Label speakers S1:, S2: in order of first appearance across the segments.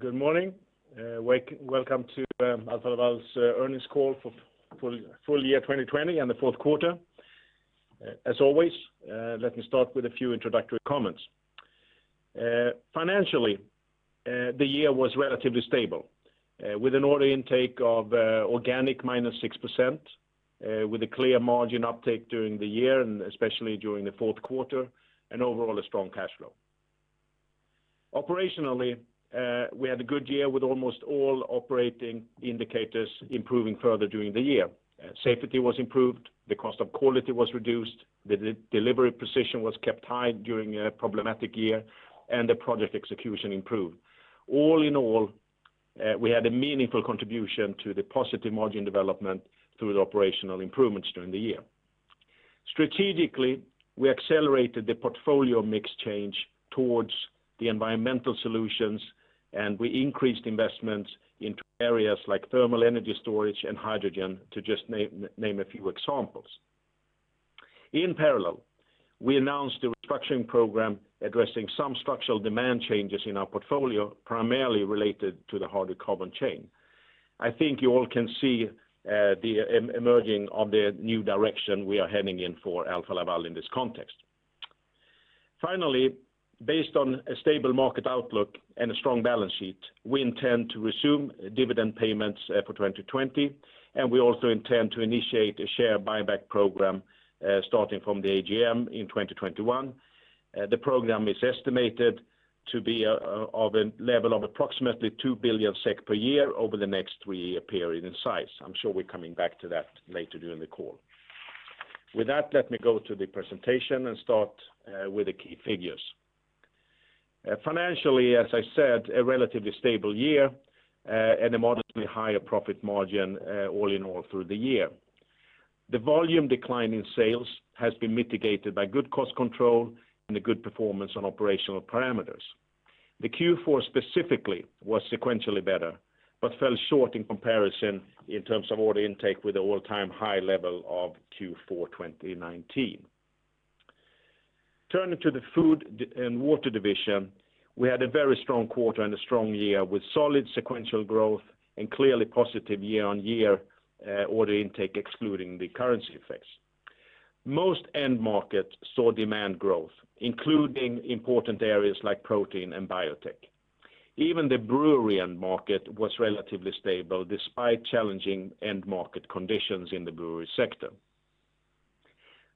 S1: Good morning. Welcome to Alfa Laval's earnings call for full year 2020, and the fourth quarter. As always, let me start with a few introductory comments. Financially, the year was relatively stable, with an order intake of organic -6%, with a clear margin uptake during the year, and especially during the fourth quarter, and overall, a strong cash flow. Operationally, we had a good year with almost all operating indicators improving further during the year. Safety was improved, the cost of quality was reduced, the delivery precision was kept high during a problematic year, and the project execution improved. All in all, we had a meaningful contribution to the positive margin development through the operational improvements during the year. Strategically, we accelerated the portfolio mix change towards the environmental solutions, and we increased investments into areas like thermal energy storage and hydrogen, to just name a few examples. In parallel, we announced a restructuring program addressing some structural demand changes in our portfolio, primarily related to the heavier hydrocarbon chain. I think you all can see the emerging of the new direction we are heading in for Alfa Laval in this context. Based on a stable market outlook and a strong balance sheet, we intend to resume dividend payments for 2020, and we also intend to initiate a share buyback program, starting from the AGM in 2021. The program is estimated to be of a level of approximately 2 billion SEK per year over the next three-year period in size. I'm sure we're coming back to that later during the call. With that, let me go to the presentation and start with the key figures. Financially, as I said, a relatively stable year, and a moderately higher profit margin all in all through the year. The volume decline in sales has been mitigated by good cost control and a good performance on operational parameters. The Q4 specifically was sequentially better, but fell short in comparison in terms of order intake with the all-time high level of Q4 2019. Turning to the Food & Water Division, we had a very strong quarter and a strong year, with solid sequential growth and clearly positive year-on-year order intake, excluding the currency effects. Most end markets saw demand growth, including important areas like protein and biotech. Even the brewery end market was relatively stable despite challenging end market conditions in the brewery sector.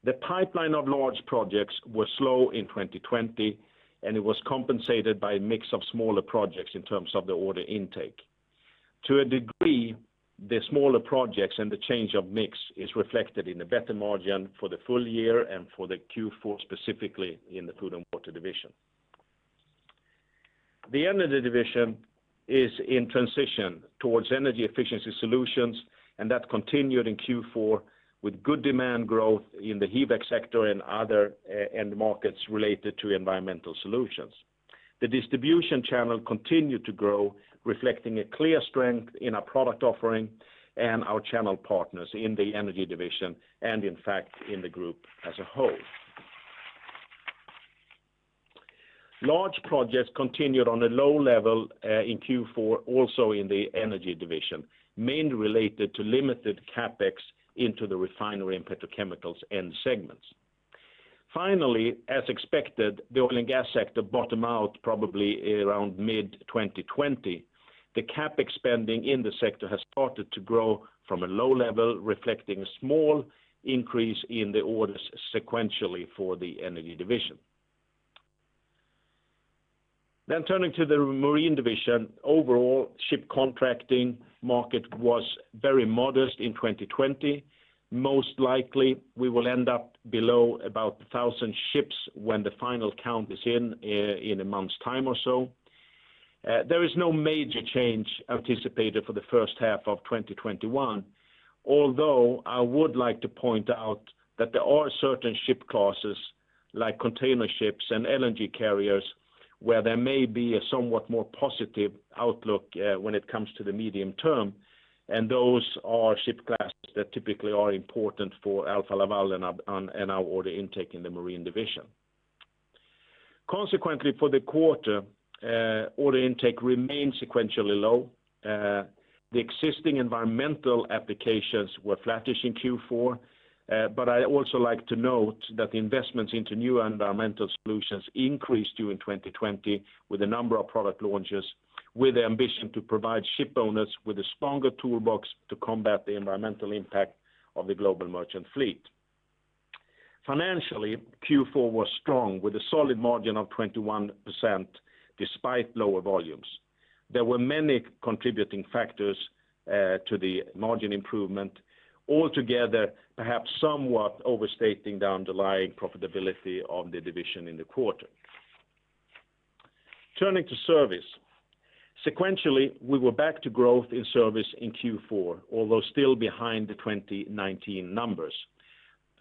S1: The pipeline of large projects was slow in 2020, and it was compensated by a mix of smaller projects in terms of the order intake. To a degree, the smaller projects and the change of mix is reflected in the better margin for the full year and for the Q4 specifically in the Food & Water Division. The Energy Division is in transition towards energy efficiency solutions, and that continued in Q4 with good demand growth in the HVAC sector and other end markets related to environmental solutions. The distribution channel continued to grow, reflecting a clear strength in our product offering and our channel partners in the Energy Division, and in fact, in the group as a whole. Large projects continued on a low level in Q4, also in the Energy Division, mainly related to limited CapEx into the refinery and petrochemicals end segments. Finally, as expected, the oil and gas sector bottomed out probably around mid-2020. The CapEx spending in the sector has started to grow from a low level, reflecting a small increase in the orders sequentially for the Energy Division. Turning to the Marine Division. Overall, ship contracting market was very modest in 2020. Most likely, we will end up below about 1,000 ships when the final count is in a month's time or so. There is no major change anticipated for the first half of 2021, although I would like to point out that there are certain ship classes like container ships and LNG carriers, where there may be a somewhat more positive outlook when it comes to the medium term, and those are ship classes that typically are important for Alfa Laval and our order intake in the Marine Division. Consequently, for the quarter, order intake remained sequentially low. The existing environmental applications were flattish in Q4. I'd also like to note that the investments into new environmental solutions increased during 2020 with a number of product launches, with the ambition to provide ship owners with a stronger toolbox to combat the environmental impact of the global merchant fleet. Financially, Q4 was strong, with a solid margin of 21%, despite lower volumes. There were many contributing factors to the margin improvement, altogether perhaps somewhat overstating the underlying profitability of the division in the quarter. Turning to service. Sequentially, we were back to growth in service in Q4, although still behind the 2019 numbers.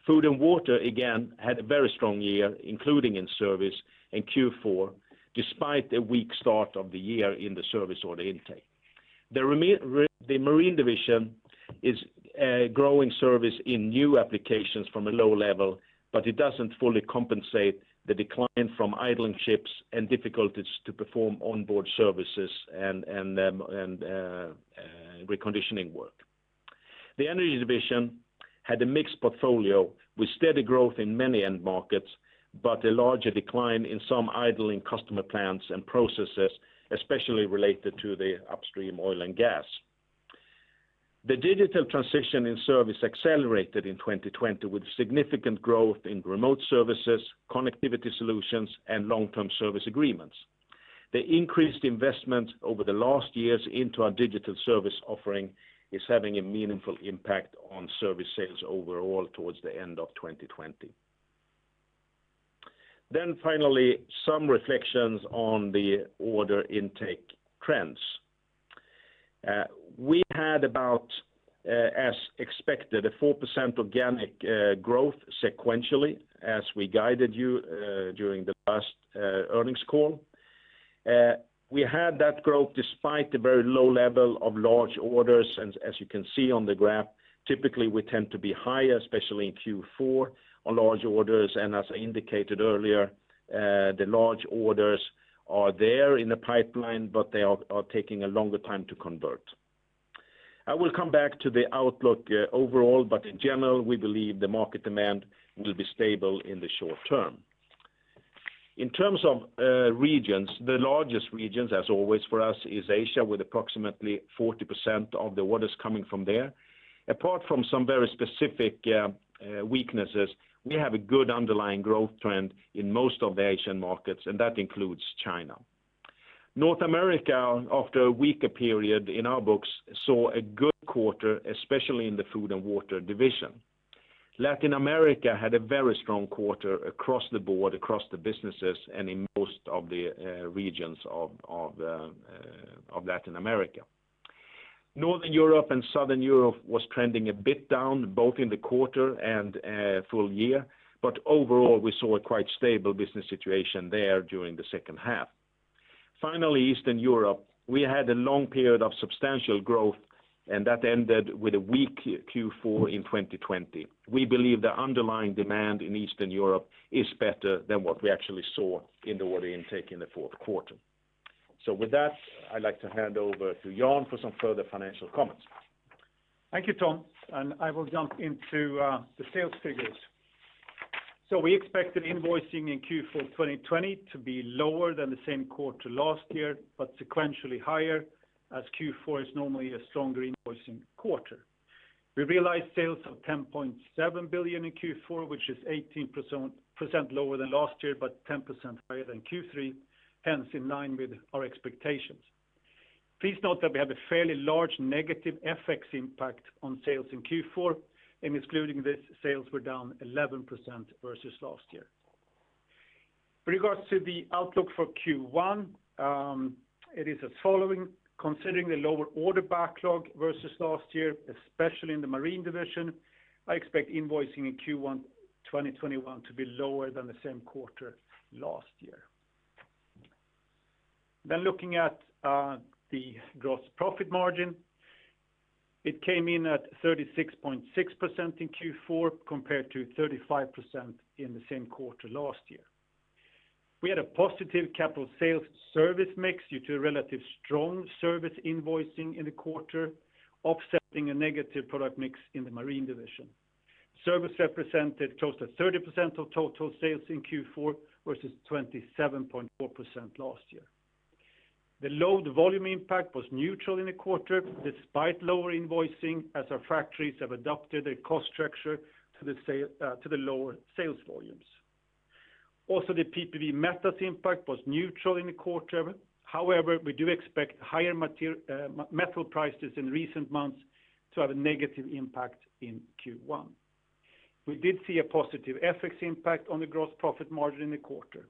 S1: Food & Water, again, had a very strong year, including in service in Q4, despite a weak start of the year in the service order intake. The Marine Division is a growing service in new applications from a low level, but it doesn't fully compensate the decline from idling ships and difficulties to perform onboard services and reconditioning work. The Energy Division had a mixed portfolio with steady growth in many end markets, but a larger decline in some idling customer plants and processes, especially related to the upstream oil and gas. The digital transition in service accelerated in 2020 with significant growth in remote services, connectivity solutions, and long-term service agreements. The increased investment over the last years into our digital service offering is having a meaningful impact on service sales overall towards the end of 2020. Finally, some reflections on the order intake trends. We had about, as expected, a 4% organic growth sequentially as we guided you during the last earnings call. We had that growth despite the very low level of large orders. As you can see on the graph, typically we tend to be higher, especially in Q4, on large orders. As I indicated earlier, the large orders are there in the pipeline. They are taking a longer time to convert. I will come back to the outlook overall. In general, we believe the market demand will be stable in the short term. In terms of regions, the largest regions, as always for us, is Asia, with approximately 40% of the orders coming from there. Apart from some very specific weaknesses, we have a good underlying growth trend in most of the Asian markets. That includes China. North America, after a weaker period in our books, saw a good quarter, especially in the Food & Water Division. Latin America had a very strong quarter across the board, across the businesses, and in most of the regions of Latin America. Northern Europe and Southern Europe was trending a bit down, both in the quarter and full year. Overall, we saw a quite stable business situation there during the second half. Finally, Eastern Europe. We had a long period of substantial growth, and that ended with a weak Q4 in 2020. We believe the underlying demand in Eastern Europe is better than what we actually saw in the order intake in the fourth quarter. With that, I'd like to hand over to Jan for some further financial comments.
S2: Thank you, Tom. I will jump into the sales figures. We expected invoicing in Q4 2020 to be lower than the same quarter last year, but sequentially higher, as Q4 is normally a stronger invoicing quarter. We realized sales of 10.7 billion in Q4, which is 18% lower than last year, but 10% higher than Q3, hence in line with our expectations. Please note that we have a fairly large negative FX impact on sales in Q4, and excluding this, sales were down 11% versus last year. With regards to the outlook for Q1, it is as follows. Considering the lower order backlog versus last year, especially in the Marine Division, I expect invoicing in Q1 2021 to be lower than the same quarter last year. Looking at the gross profit margin, it came in at 36.6% in Q4, compared to 35% in the same quarter last year. We had a positive capital sales service mix due to a relative strong service invoicing in the quarter, offsetting a negative product mix in the Marine Division. Service represented close to 30% of total sales in Q4, versus 27.4% last year. The load volume impact was neutral in the quarter despite lower invoicing, as our factories have adapted their cost structure to the lower sales volumes. The PPV metals impact was neutral in the quarter. We do expect higher metal prices in recent months to have a negative impact in Q1. We did see a positive FX impact on the gross profit margin in the quarter.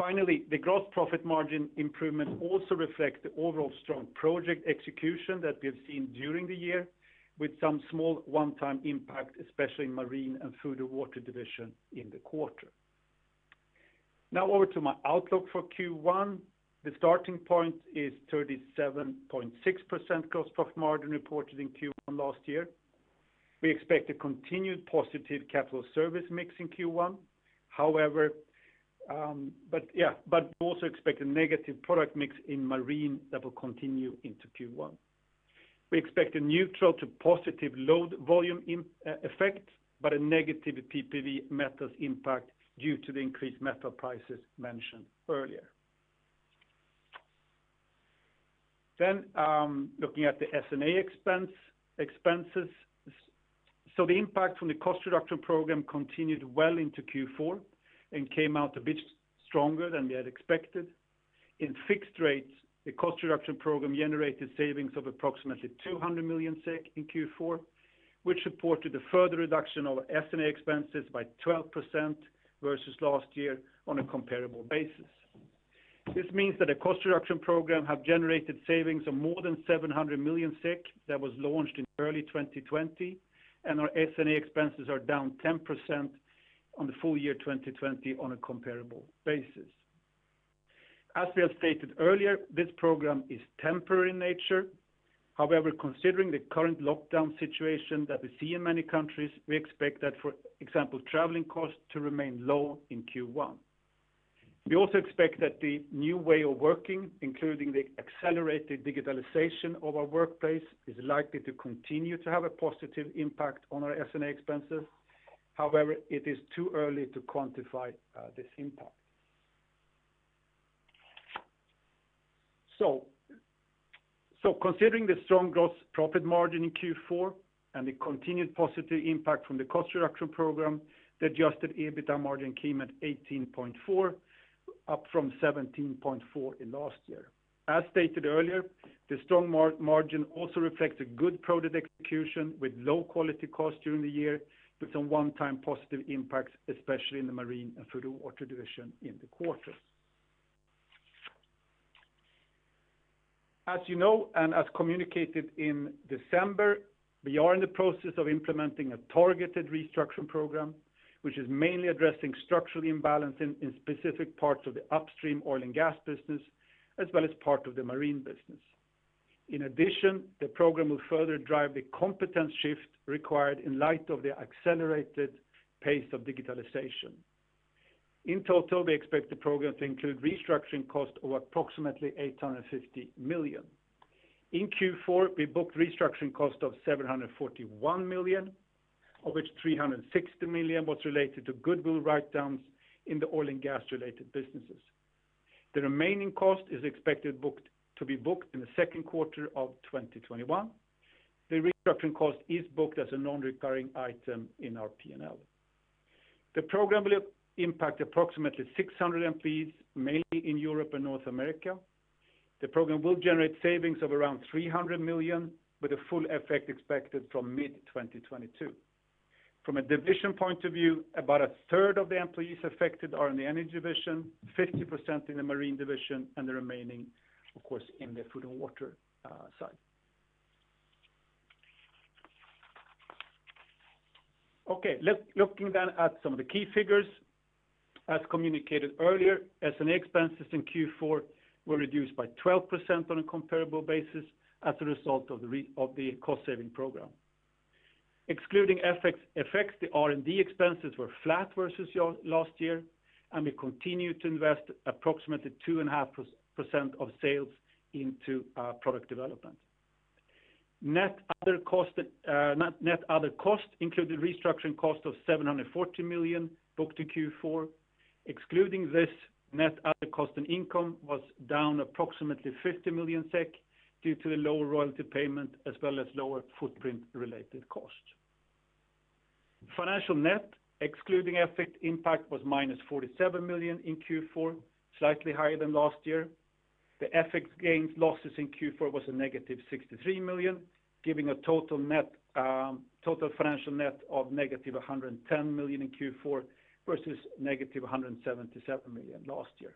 S2: Finally, the gross profit margin improvement also reflects the overall strong project execution that we have seen during the year, with some small one-time impact, especially in Marine and Food & Water Division in the quarter. Now over to my outlook for Q1. The starting point is 37.6% gross profit margin reported in Q1 last year. We expect a continued positive capital service mix in Q1. Also expect a negative product mix in Marine that will continue into Q1. We expect a neutral to positive load volume effect, but a negative PPV metals impact due to the increased metal prices mentioned earlier. Looking at the S&A expenses. The impact from the cost reduction program continued well into Q4 and came out a bit stronger than we had expected. In fixed rates, the cost reduction program generated savings of approximately 200 million SEK in Q4, which supported a further reduction of S&A expenses by 12% versus last year on a comparable basis. This means that a cost reduction program have generated savings of more than 700 million that was launched in early 2020. Our S&A expenses are down 10% on the full year 2020 on a comparable basis. As we have stated earlier, this program is temporary in nature. However, considering the current lockdown situation that we see in many countries, we expect that, for example, traveling costs to remain low in Q1. We also expect that the new way of working, including the accelerated digitalization of our workplace, is likely to continue to have a positive impact on our S&A expenses. However, it is too early to quantify this impact. Considering the strong gross profit margin in Q4 and the continued positive impact from the cost reduction program, the adjusted EBITDA margin came at 18.4%, up from 17.4% in last year. As stated earlier, the strong margin also reflects a good product execution with low quality costs during the year, with some one-time positive impacts, especially in the Marine and Food & Water Division in the quarter. As you know, and as communicated in December, we are in the process of implementing a targeted restructure program, which is mainly addressing structural imbalance in specific parts of the upstream oil and gas business, as well as part of the marine business. In addition, the program will further drive the competence shift required in light of the accelerated pace of digitalization. In total, we expect the program to include restructuring costs of approximately 850 million. In Q4, we booked restructuring costs of 741 million, of which 360 million was related to goodwill write-downs in the oil and gas-related businesses. The remaining cost is expected to be booked in the second quarter of 2021. The restructuring cost is booked as a non-recurring item in our P&L. The program will impact approximately 600 employees, mainly in Europe and North America. The program will generate savings of around 300 million, with a full effect expected from mid-2022. From a division point of view, about 1/3 of the employees affected are in the Energy Division, 50% in the Marine Division, and the remaining, of course, in the Food & Water side. Okay. Looking at some of the key figures. As communicated earlier, S&A expenses in Q4 were reduced by 12% on a comparable basis as a result of the cost-saving program. Excluding FX effects, the R&D expenses were flat versus last year, and we continue to invest approximately 2.5% of sales into product development. Net other costs include the restructuring cost of 740 million booked in Q4. Excluding this, net other cost and income was down approximately 50 million SEK due to the lower royalty payment as well as lower footprint-related costs. Financial net, excluding FX impact, was -47 million in Q4, slightly higher than last year. The FX gains losses in Q4 was a -63 million, giving a total financial net of -110 million in Q4 versus -177 million last year.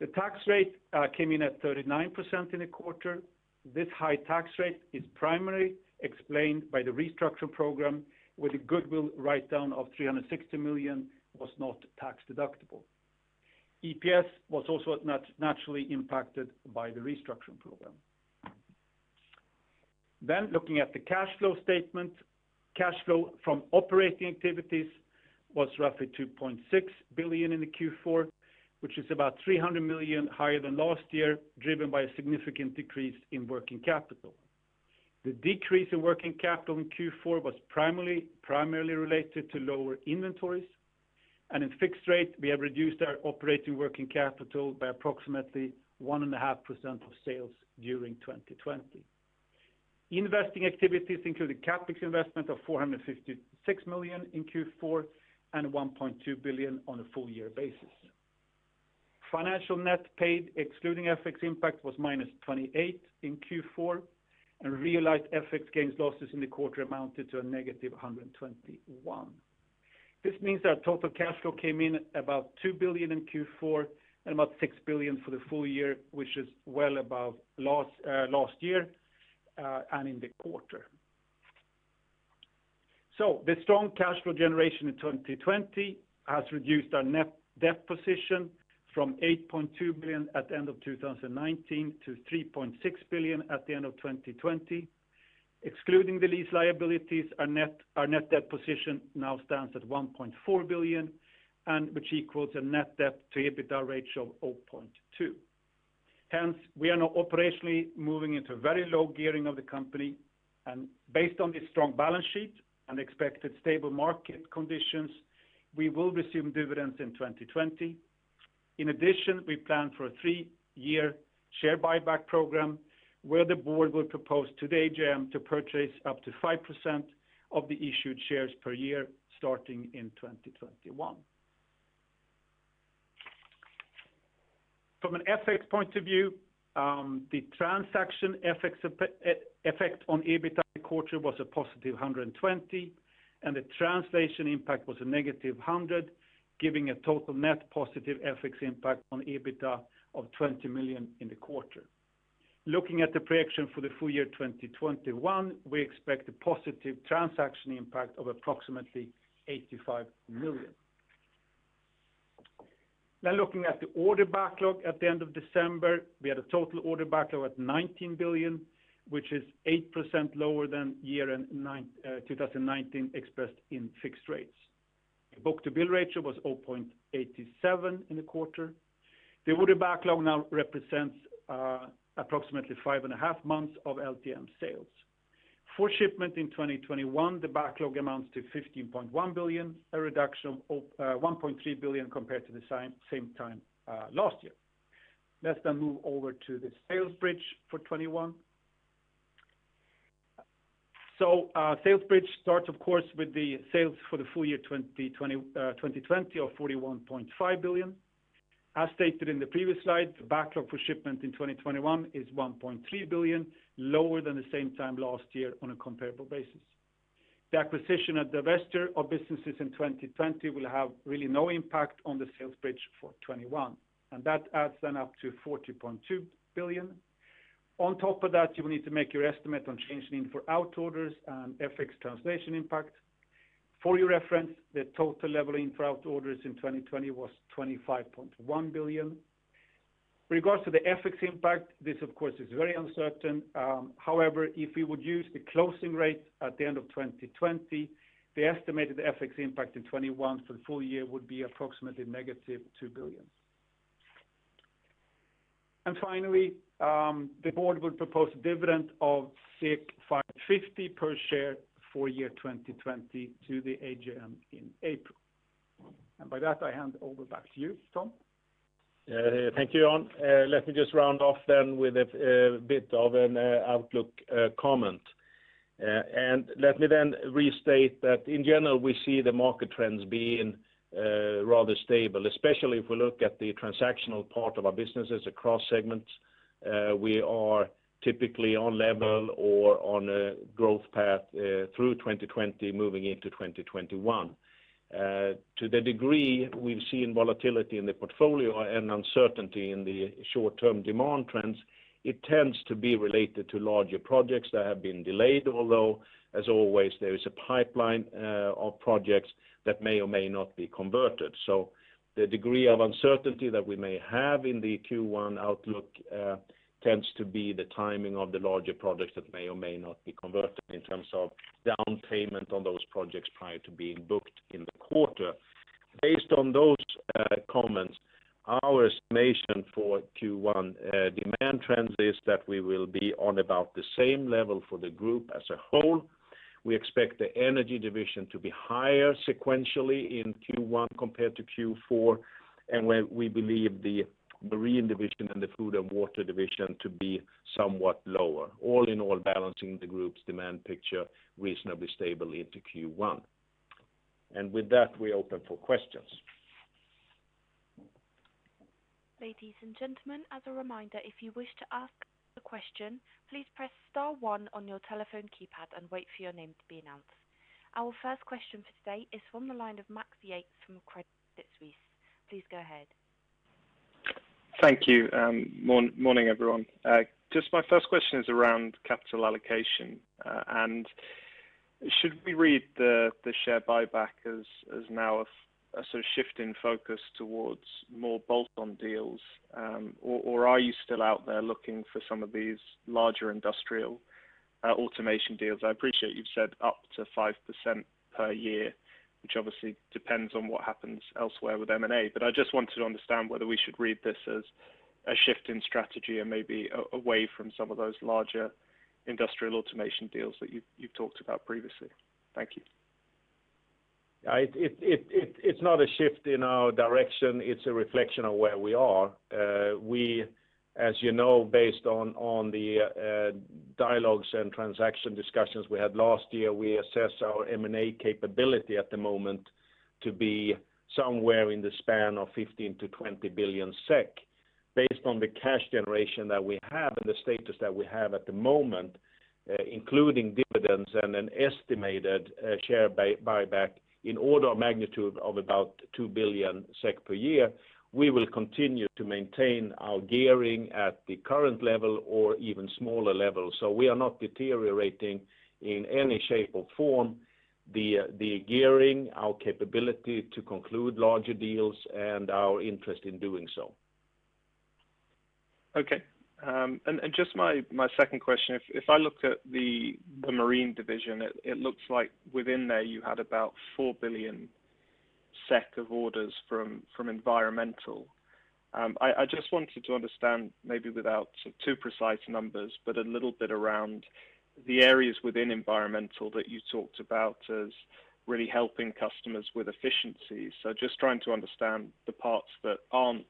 S2: The tax rate came in at 39% in the quarter. This high tax rate is primarily explained by the restructure program, where the goodwill write-down of 360 million was not tax deductible. EPS was also naturally impacted by the restructuring program. Looking at the cash flow statement, cash flow from operating activities was roughly 2.6 billion in the Q4, which is about 300 million higher than last year, driven by a significant decrease in working capital. The decrease in working capital in Q4 was primarily related to lower inventories. In fixed rate, we have reduced our operating working capital by approximately 1.5% of sales during 2020. Investing activities include a CapEx investment of 456 million in Q4 and 1.2 billion on a full year basis. Financial net paid, excluding FX impact, was -28 in Q4, and realized FX gains losses in the quarter amounted to a -121. This means that our total cash flow came in about 2 billion in Q4 and about 6 billion for the full year, which is well above last year and in the quarter. The strong cash flow generation in 2020 has reduced our net debt position from 8.2 billion at the end of 2019 to 3.6 billion at the end of 2020. Excluding the lease liabilities, our net debt position now stands at 1.4 billion, which equals a net debt to EBITDA ratio of 0.2. We are now operationally moving into a very low gearing of the company, and based on this strong balance sheet and expected stable market conditions, we will resume dividends in 2020. In addition, we plan for a three-year share buyback program where the board will propose to the AGM to purchase up to 5% of the issued shares per year, starting in 2021. From an FX point of view, the transaction effect on EBITDA quarter was a +120 million, and the translation impact was a -100 million, giving a total net positive FX impact on EBITDA of 20 million in the quarter. Looking at the projection for the full year 2021, we expect a positive transaction impact of approximately 85 million. Looking at the order backlog at the end of December, we had a total order backlog at 19 billion, which is 8% lower than year-end 2019 expressed in fixed rates. The book-to-bill ratio was 0.87 in the quarter. The order backlog now represents approximately five and a half months of LTM sales. For shipment in 2021, the backlog amounts to 15.1 billion, a reduction of 1.3 billion compared to the same time last year. Let's move over to the sales bridge for 2021. Sales bridge starts, of course, with the sales for the full year 2020 of 41.5 billion. As stated in the previous slide, the backlog for shipment in 2021 is 1.3 billion, lower than the same time last year on a comparable basis. The acquisition and divestiture of businesses in 2020 will have really no impact on the sales bridge for 2021, and that adds then up to 40.2 billion. On top of that, you will need to make your estimate on change in-for-out orders and FX translation impact. For your reference, the total level in-for-out orders in 2020 was 25.1 billion. Regarding the FX impact, this of course is very uncertain. However, if we would use the closing rate at the end of 2020, the estimated FX impact in 2021 for the full year would be approximately -2 billion. Finally, the board will propose a dividend of 5.50 per share for year 2020 to the AGM in April. By that, I hand over back to you, Tom.
S1: Thank you, Jan. Let me just round off then with a bit of an outlook comment. Let me then restate that in general, we see the market trends being rather stable, especially if we look at the transactional part of our businesses across segments. We are typically on level or on a growth path through 2020 moving into 2021. To the degree we've seen volatility in the portfolio and uncertainty in the short-term demand trends, it tends to be related to larger projects that have been delayed, although, as always, there is a pipeline of projects that may or may not be converted. The degree of uncertainty that we may have in the Q1 outlook tends to be the timing of the larger projects that may or may not be converted in terms of down payment on those projects prior to being booked in the quarter. Based on those comments, our estimation for Q1 demand trends is that we will be on about the same level for the group as a whole. We expect the Energy Division to be higher sequentially in Q1 compared to Q4, and we believe the Marine Division and the Food & Water Division to be somewhat lower, all in all, balancing the group's demand picture reasonably stable into Q1. With that, we open for questions.
S3: Ladies and gentlemen, as a reminder, if you wish to ask a question, please press star one on your telephone keypad and wait for your name to be announced. Our first question for today is from the line of Max Yates from Credit Suisse. Please go ahead.
S4: Thank you. Morning, everyone. Just my first question is around capital allocation. Should we read the share buyback as now a sort of shift in focus towards more bolt-on deals? Are you still out there looking for some of these larger industrial automation deals? I appreciate you've said up to 5% per year, which obviously depends on what happens elsewhere with M&A. I just wanted to understand whether we should read this as a shift in strategy and maybe away from some of those larger industrial automation deals that you've talked about previously. Thank you.
S1: It's not a shift in our direction. It's a reflection of where we are. As you know, based on the dialogues and transaction discussions we had last year, we assess our M&A capability at the moment to be somewhere in the span of 15 billion-20 billion SEK. Based on the cash generation that we have and the status that we have at the moment, including dividends and an estimated share buyback in order of magnitude of about 2 billion SEK per year, we will continue to maintain our gearing at the current level or even smaller levels. We are not deteriorating in any shape or form, the gearing, our capability to conclude larger deals, and our interest in doing so.
S4: Okay. Just my second question. If I look at the Marine Division, it looks like within there you had about 4 billion SEK of orders from environmental. I just wanted to understand maybe without too precise numbers, but a little bit around the areas within environmental that you talked about as really helping customers with efficiencies. Just trying to understand the parts that aren't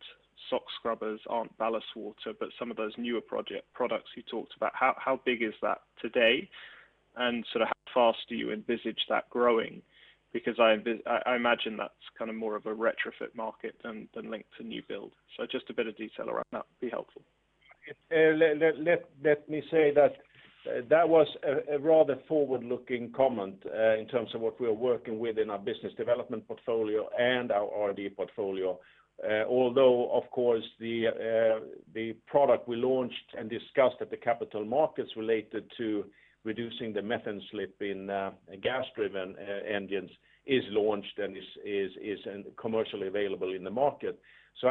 S4: SOx scrubbers, aren't ballast water, but some of those newer products you talked about. How big is that today, and sort of how fast do you envisage that growing? Because I imagine that's kind of more of a retrofit market than linked to new build. Just a bit of detail around that would be helpful.
S1: That was a rather forward-looking comment in terms of what we are working with in our business development portfolio and our R&D portfolio. Although of course, the product we launched and discussed at the capital markets related to reducing the methane slip in gas-driven engines is launched and is commercially available in the market.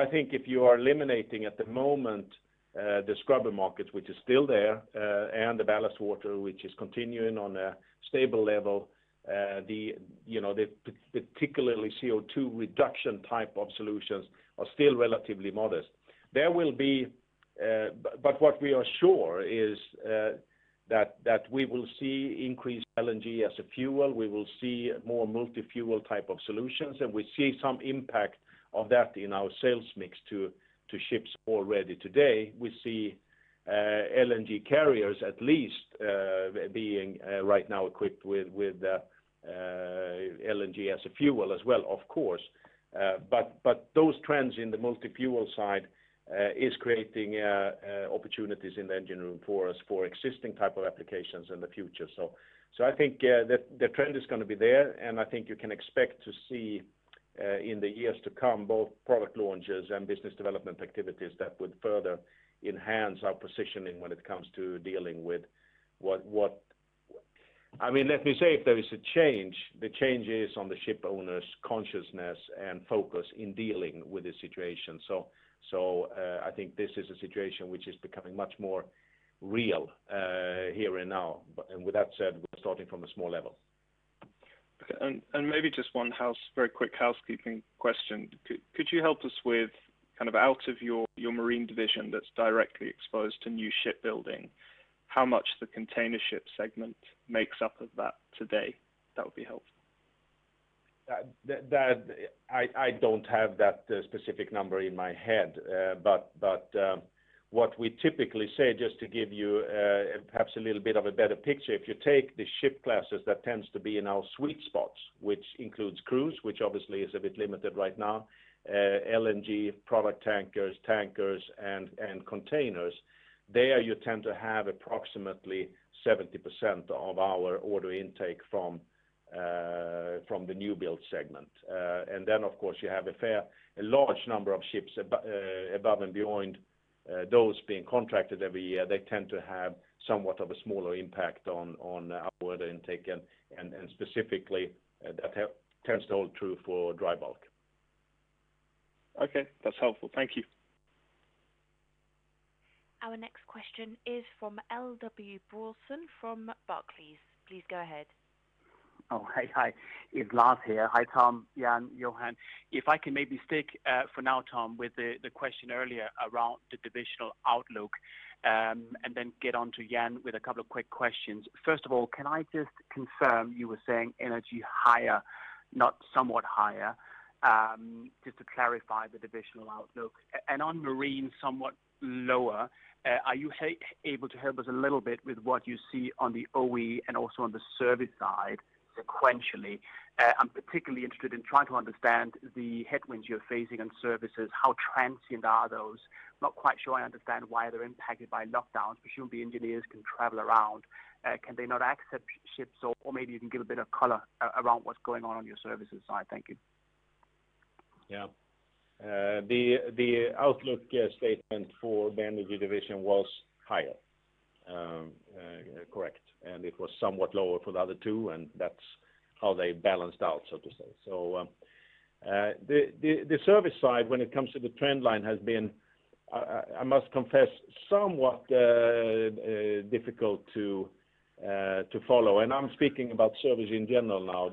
S1: I think if you are eliminating at the moment the scrubber market, which is still there, and the ballast water, which is continuing on a stable level, the particularly CO2 reduction type of solutions are still relatively modest. What we are sure is that we will see increased LNG as a fuel, we will see more multi-fuel type of solutions, and we see some impact of that in our sales mix to ships already today. We see LNG carriers at least being right now equipped with LNG as a fuel as well, of course. Those trends in the multi-fuel side is creating opportunities in the engine room for us for existing type of applications in the future. I think the trend is going to be there, and I think you can expect to see in the years to come both product launches and business development activities that would further enhance our positioning when it comes to dealing with. Let me say, if there is a change, the change is on the ship owners' consciousness and focus in dealing with the situation. I think this is a situation which is becoming much more real here and now. With that said, we're starting from a small level.
S4: Okay. Maybe just one very quick housekeeping question. Could you help us with out of your Marine Division that's directly exposed to new shipbuilding, how much the container ship segment makes up of that today? That would be helpful.
S1: I don't have that specific number in my head. What we typically say, just to give you perhaps a little bit of a better picture, if you take the ship classes that tends to be in our sweet spots, which includes cruise, which obviously is a bit limited right now, LNG, product tankers, and containers. There you tend to have approximately 70% of our order intake from the new build segment. Of course, you have a large number of ships above and beyond those being contracted every year. They tend to have somewhat of a smaller impact on our order intake, and specifically, that tends to hold true for dry bulk.
S4: Okay. That's helpful. Thank you.
S3: Our next question is from Lars Brorson from Barclays. Please go ahead.
S5: Oh, hi. It's Lars here. Hi, Tom, Jan, Johan. If I can maybe stick for now, Tom, with the question earlier around the divisional outlook, and then get onto Jan with a couple of quick questions. First of all, can I just confirm you were saying Energy higher, not somewhat higher? Just to clarify the divisional outlook. On Marine, somewhat lower. Are you able to help us a little bit with what you see on the OE and also on the service side sequentially? I'm particularly interested in trying to understand the headwinds you're facing on services, how transient are those? Not quite sure I understand why they're impacted by lockdowns, surely engineers can travel around. Can they not accept ships, maybe you can give a bit of color around what's going on on your services side. Thank you.
S1: Yeah. The outlook statement for the Energy Division was higher, correct. It was somewhat lower for the other two, and that's how they balanced out, so to say. The service side, when it comes to the trend line, has been, I must confess, somewhat difficult to follow. I'm speaking about service in general now,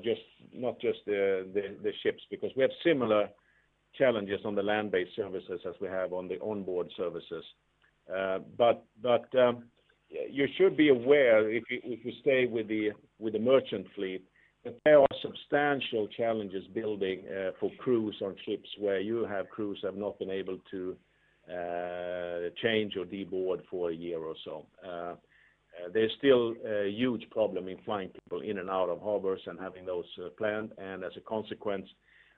S1: not just the ships, because we have similar challenges on the land-based services as we have on the onboard services. You should be aware, if you stay with the merchant fleet, that there are substantial challenges building for crews on ships where you have crews have not been able to change or deboard for a year or so. There's still a huge problem in flying people in and out of harbors and having those planned, and as a consequence,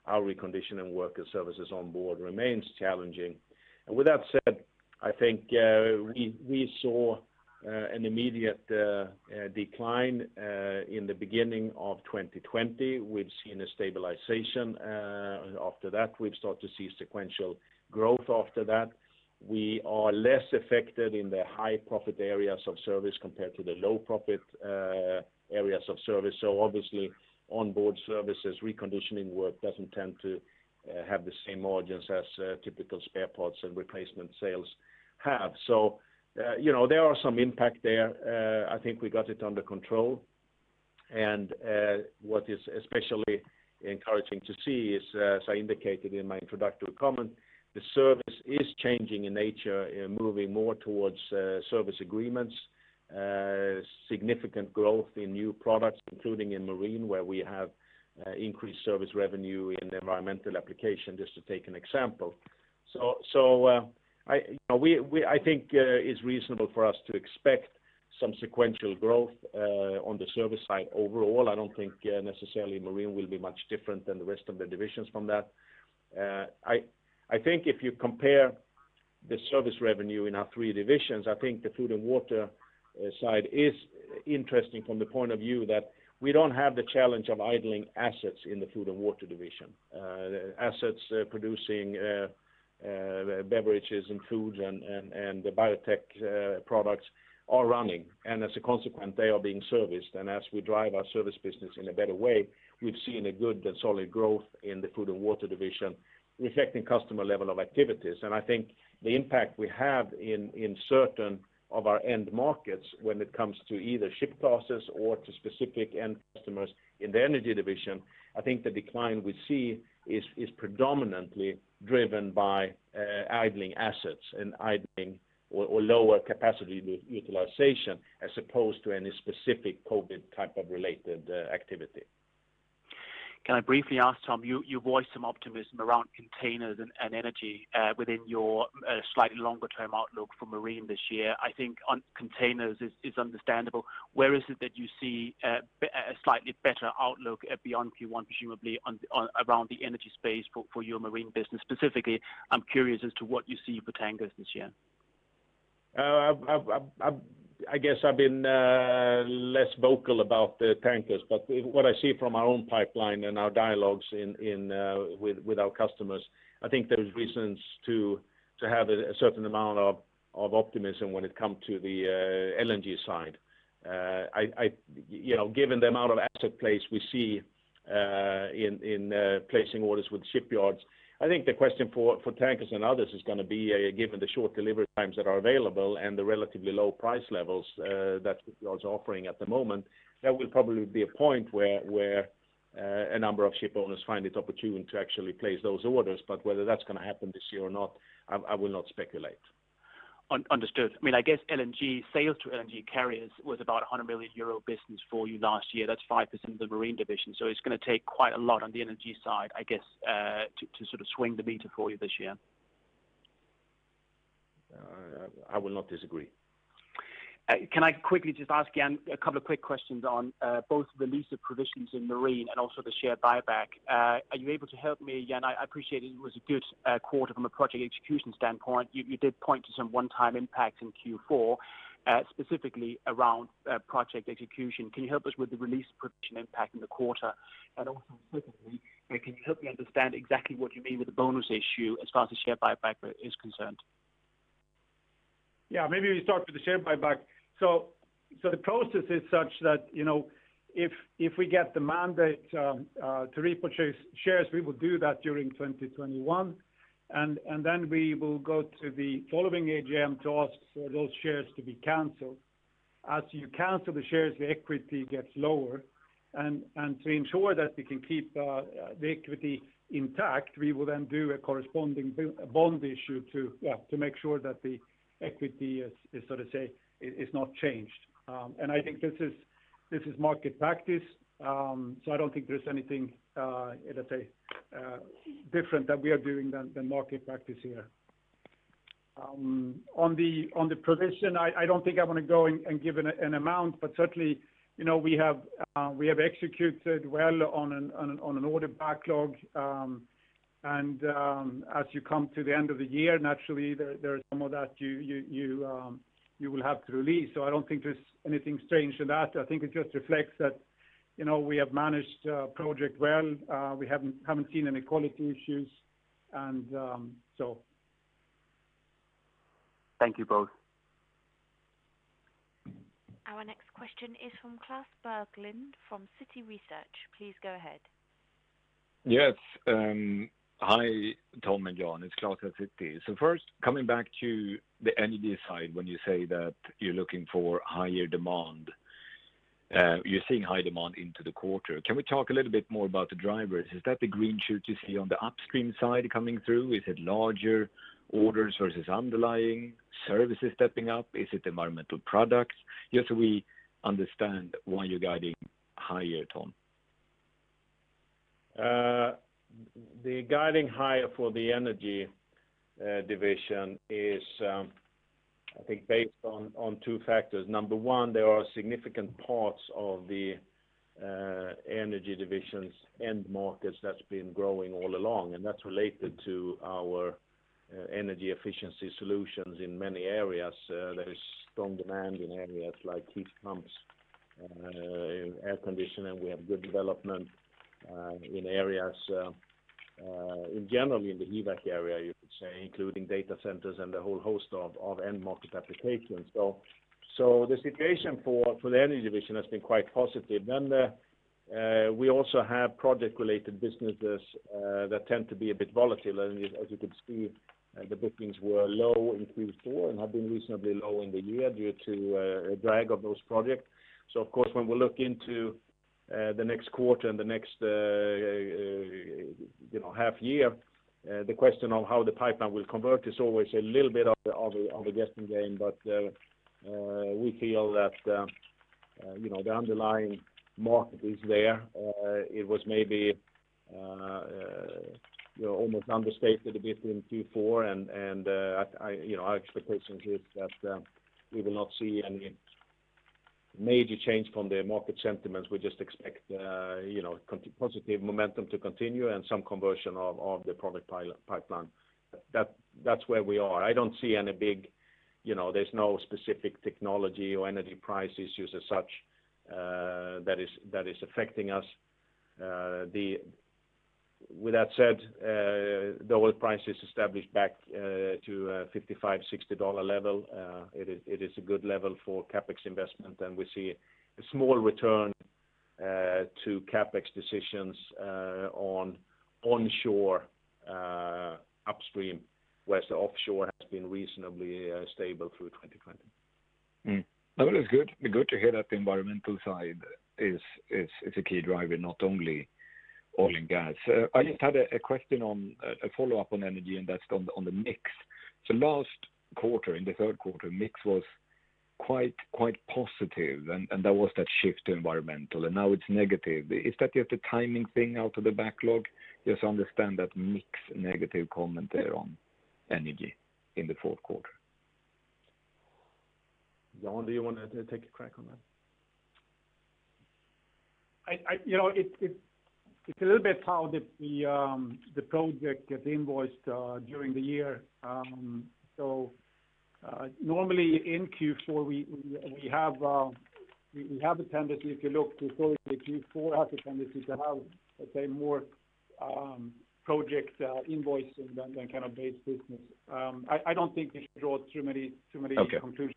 S1: our reconditioning work and services on board remains challenging. With that said, I think we saw an immediate decline in the beginning of 2020. We've seen a stabilization after that. We've started to see sequential growth after that. We are less affected in the high profit areas of service compared to the low profit areas of service. Obviously, onboard services, reconditioning work doesn't tend to have the same margins as typical spare parts and replacement sales have. There are some impact there. I think we got it under control, and what is especially encouraging to see is, as I indicated in my introductory comment, the service is changing in nature and moving more towards service agreements. Significant growth in new products, including in Marine, where we have increased service revenue in the environmental application, just to take an example. I think it's reasonable for us to expect some sequential growth on the service side overall. I don't think necessarily Marine will be much different than the rest of the divisions from that. I think if you compare the service revenue in our three divisions, I think the Food & Water side is interesting from the point of view that we don't have the challenge of idling assets in the Food & Water Division. Assets producing beverages and foods and the biotech products are running, and as a consequence, they are being serviced. As we drive our service business in a better way, we've seen a good and solid growth in the Food & Water Division reflecting customer level of activities. I think the impact we have in certain of our end markets when it comes to either ship classes or to specific end customers in the Energy Division, I think the decline we see is predominantly driven by idling assets and idling or lower capacity utilization as opposed to any specific COVID type of related activity.
S5: Can I briefly ask, Tom, you voiced some optimism around containers and Energy within your slightly longer-term outlook for Marine this year. I think on containers is understandable. Where is it that you see a slightly better outlook beyond Q1, presumably around the energy space for your Marine business? Specifically, I'm curious as to what you see for tankers this year.
S1: I guess I've been less vocal about the tankers, but what I see from our own pipeline and our dialogues with our customers, I think there's reasons to have a certain amount of optimism when it comes to the LNG side. Given the amount of asset play we see in placing orders with shipyards, I think the question for tankers and others is going to be, given the short delivery times that are available and the relatively low price levels that the shipyard's offering at the moment, there will probably be a point where a number of ship owners find it opportune to actually place those orders. Whether that's going to happen this year or not, I will not speculate.
S5: Understood. I guess LNG, sales to LNG carriers was about a 100 million euro business for you last year. That's 5% of the Marine Division, so it's going to take quite a lot on the energy side, I guess, to sort of swing the meter for you this year.
S1: I will not disagree.
S5: Can I quickly just ask Jan a couple of quick questions on both the release of provisions in Marine and also the share buyback. Are you able to help me, Jan? I appreciate it was a good quarter from a project execution standpoint. You did point to some one-time impacts in Q4, specifically around project execution. Can you help us with the release provision impact in the quarter? Secondly, can you help me understand exactly what you mean with the bonus issue as far as the share buyback is concerned?
S2: Yeah, maybe we start with the share buyback. The process is such that, if we get the mandate to repurchase shares, we will do that during 2021, then we will go to the following AGM to ask for those shares to be canceled. As you cancel the shares, the equity gets lower, and to ensure that we can keep the equity intact, we will then do a corresponding bonus issue to make sure that the equity is not changed. I think this is market practice, so I don't think there's anything, let's say, different that we are doing than market practice here. On the provision, I don't think I want to go and give an amount, but certainly, we have executed well on an order backlog. As you come to the end of the year, naturally, there is some of that you will have to release. I don't think there's anything strange to that. I think it just reflects that we have managed a project well. We haven't seen any quality issues.
S5: Thank you both.
S3: Our next question is from Klas Bergelind, from Citi Research. Please go ahead.
S6: Yes. Hi, Tom and Jan. It's Klas at Citi. First, coming back to the Energy Division, when you say that you're looking for higher demand, you're seeing high demand into the quarter. Can we talk a little bit more about the drivers? Is that the green shoot you see on the upstream side coming through? Is it larger orders versus underlying services stepping up? Is it environmental products? Just so we understand why you're guiding higher, Tom.
S1: The guiding higher for the Energy Division is, I think based on two factors. Number one, there are significant parts of the Energy Division's end markets that's been growing all along, and that's related to our energy efficiency solutions in many areas. There is strong demand in areas like heat pumps, in air conditioning. We have good development in areas, in general, in the HVAC area, you could say, including data centers and a whole host of end market applications. The situation for the Energy Division has been quite positive. We also have project-related businesses that tend to be a bit volatile. As you could see, the bookings were low in Q4 and have been reasonably low in the year due to a drag of those projects. Of course, when we look into the next quarter and the next half year, the question of how the pipeline will convert is always a little bit of a guessing game. We feel that the underlying market is there. It was maybe almost understated a bit in Q4, and our expectation is that we will not see any major change from the market sentiments. We just expect positive momentum to continue and some conversion of the product pipeline. That's where we are. There's no specific technology or energy price issues as such that is affecting us. With that said, the oil price is established back to $55-$60 level. It is a good level for CapEx investment, and we see a small return to CapEx decisions on onshore upstream, whereas the offshore has been reasonably stable through 2020.
S6: No, that's good. Good to hear that the environmental side is a key driver, not only oil and gas. I just had a question on, a follow-up on Energy, and that's on the mix. Last quarter, in the third quarter, mix was quite positive and that was that shift to environmental, and now it's negative. Is that just a timing thing out of the backlog? Just understand that mix negative comment there on Energy in the fourth quarter.
S1: Jan, do you want to take a crack on that?
S2: It's a little bit how the project get invoiced during the year. Normally in Q4, we have a tendency, if you look historically, Q4 has a tendency to have, let's say, more project invoicing than kind of base business. I don't think we should draw too many conclusions.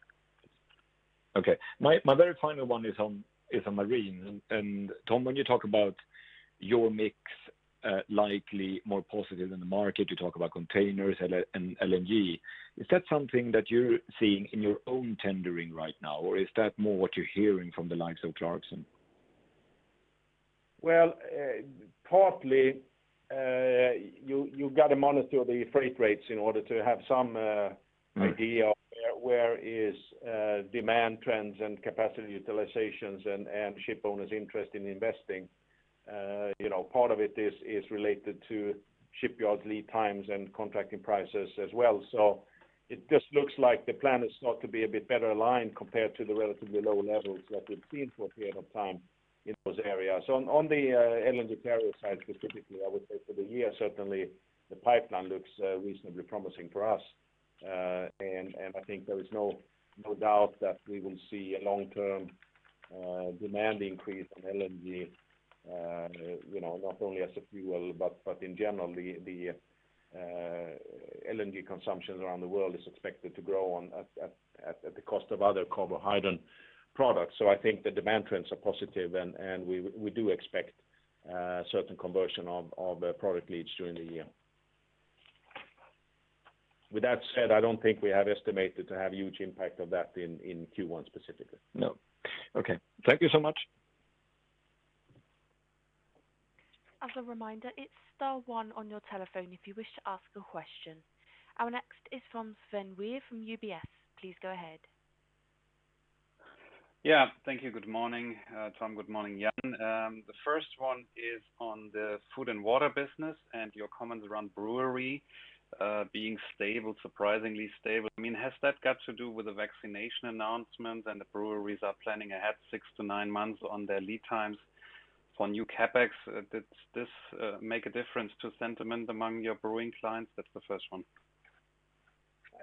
S6: Okay. My very final one is on Marine. Tom, when you talk about your mix likely more positive than the market, you talk about containers and LNG. Is that something that you're seeing in your own tendering right now, or is that more what you're hearing from the likes of Clarksons?
S1: Well, partly, you've got to monitor the freight rates in order to have some idea. of where is demand trends and capacity utilizations and ship owners interest in investing. Part of it is related to shipyards lead times and contracting prices as well. It just looks like the plan is thought to be a bit better aligned compared to the relatively low levels that we've seen for a period of time in those areas. On the LNG carrier side specifically, I would say for the year, certainly the pipeline looks reasonably promising for us. I think there is no doubt that we will see a long-term demand increase on LNG, not only as a fuel, but in general, the LNG consumption around the world is expected to grow on at the cost of other hydrocarbon products. I think the demand trends are positive and we do expect certain conversion of project leads during the year. With that said, I don't think we have estimated to have a huge impact of that in Q1 specifically.
S6: No. Okay. Thank you so much.
S3: As a reminder, it's star one on your telephone if you wish to ask a question. Our next is from Sven Weier from UBS. Please go ahead.
S7: Thank you. Good morning, Tom, good morning, Jan. The first one is on the Food & Water business and your comments around brewery being stable, surprisingly stable. Has that got to do with the vaccination announcement and the breweries are planning ahead six to nine months on their lead times for new CapEx? Did this make a difference to sentiment among your brewing clients? That's the first one.